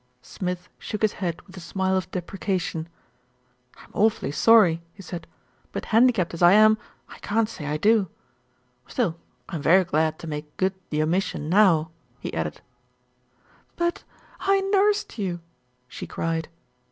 Smith shook his head with a smile of deprecation. "I'm awfully sorry," he said, "but handicapped as I am, I can't say I do; still, I'm very glad to make good the omission now," he added. 54 THE RETURN OF ALFRED "But I nursed you," she cried.